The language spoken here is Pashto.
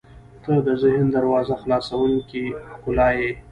• ته د ذهن دروازه خلاصوونکې ښکلا یې.